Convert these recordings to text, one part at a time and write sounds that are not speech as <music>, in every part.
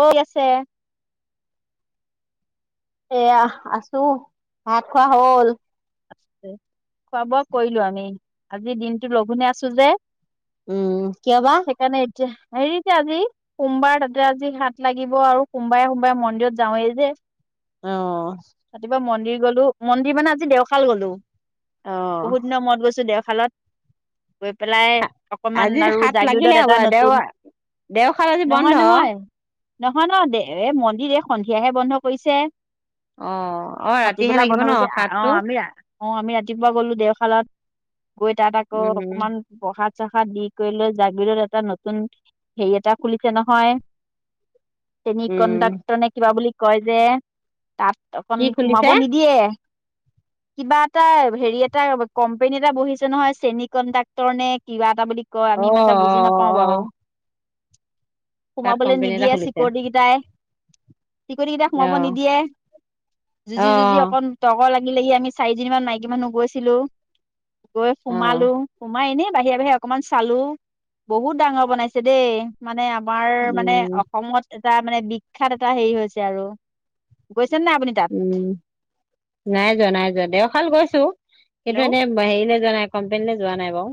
ঐ আছে এয়া আছো ভাত খোৱা হ'ল আছে খোৱা বোৱা কৰিলো আমি আজি দিনটো লঘোনে আছো যে উম কিয় বা সেকাণে এতিয়াহ হেৰিতে আজি, সোমবাৰ তাতে আজি সাত লাগিব আৰু সোমবাৰে সোমবাৰে মন্দিৰত যাওঁৱে যে। অ' ৰাতিপুৱা মন্দিৰ গ'লো মন্দিৰ মানে আজি দেও খাল গ'লো। অ', বহুত দিন মূৱত গৈছো দেও খালত, গৈ পেলাই অকমান আজি আৰু সাত লাগিলে জাগিৰোডত হ'ব এটা নতুন, দেওবাৰ দেওশাল আজি বন্ধ নহয় নহয়। নহয় ন দে-এ মন্দিৰ এ সন্ধিয়াহে বন্ধ কৰিছে। অ', অ' ৰাতিহে ভাটিবেলা লাগিব বন্ধ ন কৰিছে অ সাতটো? আমি অ' আমি ৰাতিপুৱা গ'লো দেওশালাত। গৈ তাত আকৌ উম অকমান প্ৰসাত চসাত দি কৰি লৈ জাগিৰোডত এটা নতুন হেই এটা খুলিছে নহয়। চেনি উম, কণ্ডাক্টৰ নে কিবা বুলি কয় যে তাত কি অকন খুলিছে সোমাব নিদিয়ে। কিবা এটা, হেৰি এটা, কম্পনী এটা বহিছে নহয়, চেনি কণ্ডাক্টৰ নে কিবা এটা বুলি কয়, অ আমি অ ইমান এটা বুজি নাপাওঁ অ বাৰু। তাত সোমাবলে কোম্পেনী এটা নিদিয়ে, খুলিছে চিকৰটি গিটাই। চিকুৰটি গিটাই অ সোমাব নিদিয়ে, অ যুঁজি যুঁজি অকন তৰ্ক লাগ <unintelligible> চাৰিজনীমান মাইকী মানুহ গৈছিলো। গৈ অ সোমালো, সোমাই এনেই বাহিৰে বাহিৰে অকমান চালো, বহুত ডাঙৰ বনাইছে দেই, মানে আ <unintelligible> মানে উম অসমত এটা মানে বিখ্যাত এটা হেই হৈছে আৰু। গৈছে নাই আপুনি তাত উম, নাই যোৱা, নাই যোৱা। দেওশাল গৈছো। কিন্তু হেল্ল' এনে হেইলে যোৱা নাই কম্পেনীলে যোৱা নাই বাওঁ।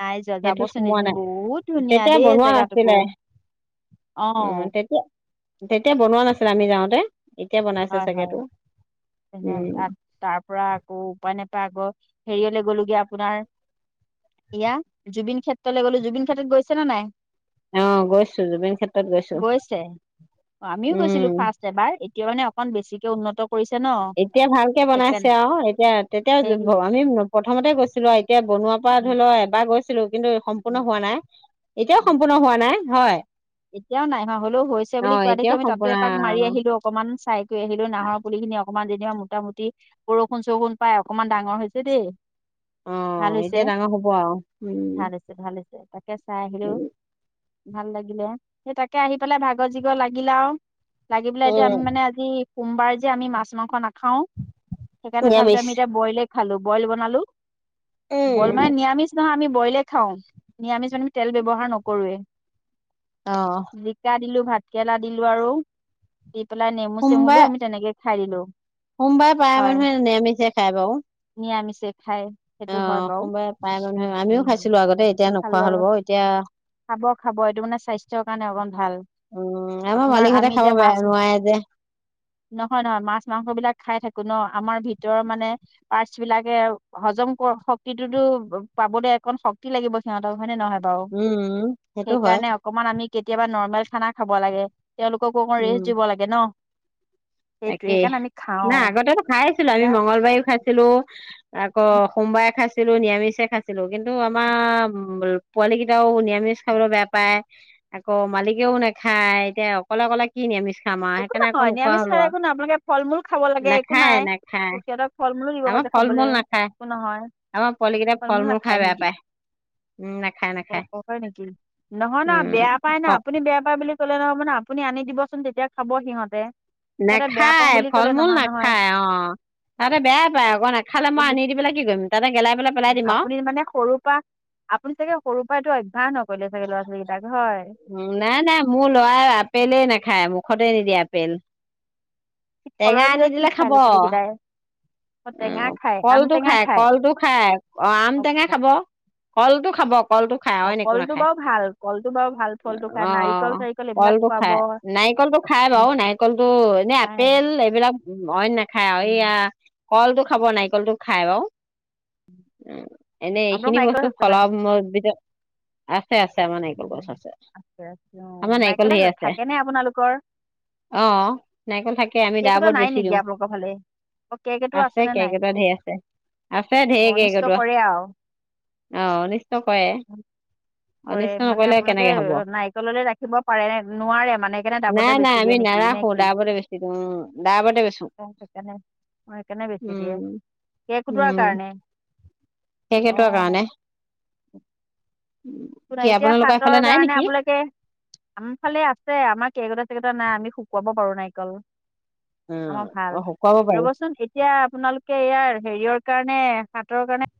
নাই যোৱা সেটোত যাবচোন সোমোৱা এদিন নাই। বহুত ধুনীয়া তেতিয়া দেই বনোৱা জেগাটুকু নাছিলে, অ উম, তেতিয়া-তেতিয়া বনোৱা নাছ নামি যাওঁতে এতিয়া বন হয়, হয় এনেওঁ তাত, তাৰ পৰা আকৌ উপায় নপায় আকৌ হেৰিয়লৈ গ'লোগে আপোনাৰ ইয়া জুবিন ক্ষেত্ৰলৈ গ'লো। জুবিন ক্ষেত্ৰত গৈছে নে নাই? আহ গৈছো জুবিন ক্ষেত্ৰত গৈছো। গৈছে উম কিয় ন <unintelligible> অকণ বেছিকে উন্নত। কৰিছে ন এতিয়া ভালকে বনাইছে সেইকাৰণে আৰু এতিয়া সেই তেতিয়াও আমি। প্ৰথমতে গৈছিলোি। এতিয়া বনোৱাৰ পৰা উম, ধৰি লও এবাৰ গৈছে। ছিলো কিন্তু উম, সম্পূৰ্ণ হোৱা নাই। উম। এতিয়াও সম্পূৰ্ণ হোৱা নাই। হয়। এতিয়াও নাই ন হলেও হৈছে অ বুলি কোৱা দেখি এতিয়াও আমি তাতো সম্পূৰ্ণ এপাক মাৰি আহিলো অকনমান চাই থৈ আহিলো নাহৰ পুলি খিনি অকণমান। এতিয়া মোটামুটি বৰষুণ চৰষুণ পাই অকনমান ডাঙৰ হৈছে দেই। অ ভাল হৈছে এতিয়া ডাঙৰ হ'ব আৰু উম ভাল হৈছে ভাল হৈছে তাকে চাই আহিলো। ভাল লাগিলে। সেই তাকে আহি পেলাই ভাগৰ জিগৰ লাগিলে আৰু। লাগি পেলাই এতিয়া আমি উম মানে আজি। সোমবাৰে যি আমি মাছ মাংস নাখাও। খাওঁ সেইকাৰণে তথাপিতো নিৰামিষ আমি এতিয়া বইলে। খালো বইল বনালো। বল উম মানে নিয়ামিছ। আমি বইলে খাওঁ ন আমি য তেল ব্যৱহাৰ নকৰোৱে। অ জিকা দিলো ভাত। ভাতকেৰেেলা দিলো আৰু। দি পেলাই নেমু চেমুু লৈ সোমবাৰে আমি তেনেকে। সাৰিলো। সোমবাৰে প্ৰায় মানুহে নিৰামিছে খাই বাৰু। নিৰামিষে খায় সেইটো হয় অহ বাৰু সোমবাৰে প্ৰায় মানুহে আমিও উম খাইছিলো আগতে তেনেকে এতিয়া খালো নোখোৱা হ'ল আৰু বাৰু এতিয়া। খাব খাব এইটো মানে। স্বাস্থ্যৰ কাৰণে অকণ ভাল। উম, আমাৰ আপোনাৰ মালিকহঁতে আমি খাব এতিয়া বেয়া মাছ নোৱাৰে যে নহয় নহয় মাছ মাংস বিলাক খাই থাকো। কোনো আমাৰ ভিতৰৰ মানে পাৰটছ বিলাকে হজম শক্তিটোতো পাবলৈ অকন শক্তি লাগিব সিহঁতক হয়নে নহয়। বাৰু উম সেইটো হয়। সেইকাৰণে অকমান আমি কেতিয়াবা নৰ্মেল খানা খাব লাগে। তেওঁলোককো অকণ ৰেষ্ট উম। দিব লাগে ন। সেইটোৱে তাকেই সেইকাৰণে আমি না খাওঁ আগতেতো খাই আছিলো আমি এতিয়া মংগলবাৰেও খাইছিলো। আকৌ সোমবাৰে খাইছো ছিলো নিৰামিষে খাইছিলো কিন্তু আমাৰ হ'লেওঁ নিৰামিষে খাইছিলো, পোৱালি কেইটাওঁ নিৰামিষ খাবলৈ বেয়া পায়, আকৌ মালিকেও নাখায়, এতিয়া অকলে অকলে কি নিৰামিষ খাম আৰু, একো সেইকাৰনে আকৌ নহয় নোখোৱা নিৰামিষ হ'ল খালে আৰু। একো আপোনালোকে ফল মূল খাব লাগে, একো নাখায় নাই নাখায় সিহঁতক ফল মূলো দিব আমাৰ পছে ফল খাবলে মূল নাখায় একো নহয় আমাৰ পোৱালি কেইটাই ফল মূল খাই নাখায় বেয়া নেকি পায় উম, নাখায় অ নাখায়। নেকি নহয় ন উম, বেয়া পায় না আপুনি বেয়া পায় বুলি কলে নহ'ব ন। আপুনি আনি দিবচোন তেতিয়া খাব সিহঁতে। সিহঁতে বেয়া পাওঁ নাখায় বুলি ফল ক'লে মূল নহয় নহয় নাখায় অ' তাতে বেয়াই পায় আকৌ, নাখালে মই কিন্তু আনি দি পেলাই কি কৰিম? তাতে গেলাই পেলাই পেলাই দিম আৰু। আপুনি মানে সৰুৰ পৰা কৰিলে চাগে ল'ৰা ছোৱালীকেটাক। নাই নাই মোৰ ল'ৰা আপেলেই নাখায়। মোক খতে নিদিয়ে আপেল ফলৰ টেঙা আনি ভিতৰত কি দিলে খাই খাব। ল'ৰা ছোৱালীকেইটাই অ', টেঙা উম, খায় আম কলটো টেঙা খায়, কলটো খায়। অ', আম টেঙা খাব, কলটো খাব। কলটো খায় অ', অইন একো কলটো নাখায়। বাৰু ভাল কলটো বাৰু ভাল ফলটো খাই নাৰিকল অ', চাৰিকল এইবিলাক কলটো খায়, খুৱাব নাৰিকলটো খায় উম বাৰু নাৰিকলটো এনে নাই আপেল এইবিলাক অইন নাখায় আৰু এইয়া উম কলটো খাব, নাৰিকলটো খাই বাৰু। এনেই আপোনালোকৰ এইখিনি নাৰিকল বস্তু <unintelligible> <unintelligible> উ, নাৰিকল গছ আছে আছে আমাৰ অ', নাৰিকল নাৰিকলে ঢেৰ আছে থাকে নে আপোনালোকৰ? অ', নাৰিকল থাকে আমি কেৰ্কেটুৱা দাবত নাই বেছি নেকি দিওঁ। আপোনালোকৰ ফালে? কেৰ্কেটুৱা আছে আছেনে নাই কেৰ্কেটুৱা ধেৰ আছে। আছে ধেৰ অনিষ্ট কেৰ্কেটুৱা, কৰে আৰু অ', অনিষ্ট কৰে। উম, কৰে অনিষ্ট মানে নকৰিলে আপোনালোকে কেনেকে হ'ব নাৰিকললৈ ৰাখিব পাৰে, নোৱাৰে মানে, সেইকাৰণে নাই দাবতে নাই বেছি আমি দিয়ে নেকি নে নাৰাখো কি? দাবতে বেছি দিওঁ উম, দাবতে বেচো। <unintelligible> সেইকাৰণে অ' সেইকাৰণে বেছি উম, দিয়ে। কেৰ্কেটুৱা উম, কাৰণে, কেৰ্কেটুৱাৰ অ'। কাৰণে একো কি নাই, এতিয়া আপোনালোকৰ সাতৰ এইফালে নাই কাৰণে নেকি? আপোনালোকে, আম ফালে আছে আমাৰ কেৰক <unintelligible> নাই, আমি শুকুৱাব পাৰো নাৰিকল। উম, আমাৰ ভাল। অ', শুকুৱাব পাৰি ৰব'চোন এতিয়া আপোনালোকে ইয়াৰ হেৰিয়ৰ কাৰণে, সাতৰ কাৰণে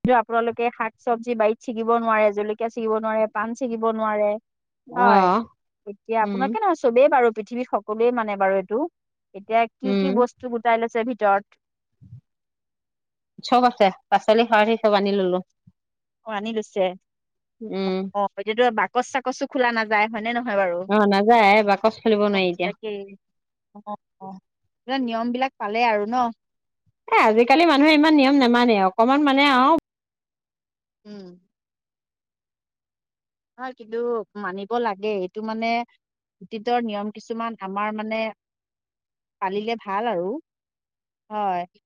কিন্তু আপোনালোকে শাক চব্জি বাৰীত ছিগিব নোৱাৰে, জলকীয়া ছিগিব নোৱাৰে, পান ছিগিব নোৱাৰে। হয়, অ', এতিয়া উম, আপোনাকে নহয় চবেই বাৰু পৃথিৱীত সকলোৱে মানে বাৰু এইটো। এতিয়া কি, উম, কি বস্তু গোটাই লৈছে ভিত <unintelligible> চব আছে পাঁচলি <unintelligible> চব আনি ললোঁ। অ', আনি লৈছে, অ', অ', এতিয়াতো বাক কচ চাকচো খোলা নাযায় হয়, নে, ন বাৰু অ নাযায় বাকচ খুলিব নোৱাৰি এতিয়া তাকেই অ', নিয়ম বিলাক পালে আৰু ন। এ আজিকালি মানুহে ইমান নিয়ম নামানে অকমান মানে অহ, উম হয় কিন্তু মানিব লাগে এইটো মানে অতীতৰ নিয়ম কিছুমান আমাৰ মানে পালিলে ভাল আৰু হয়।